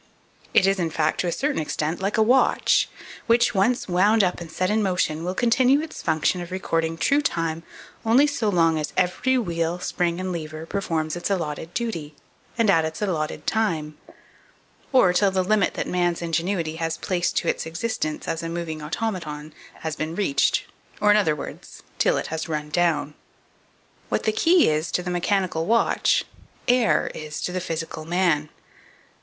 It is, in fact, to a certain extent, like a watch, which, when once wound up and set in motion, will continue its function of recording true time only so long as every wheel, spring, and lever performs its allotted duty, and at its allotted time; or till the limit that man's ingenuity has placed to its existence as a moving automaton has been reached, or, in other words, till it has run down. 2451. What the key is to the mechanical watch, air is to the physical man.